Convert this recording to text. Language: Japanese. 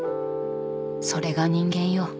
それが人間よ。